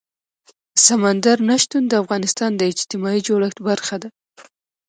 سمندر نه شتون د افغانستان د اجتماعي جوړښت برخه ده.